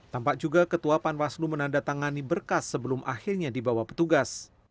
tampak juga ketua panwaslu menandatangani berkas sebelum akhirnya dibawa petugas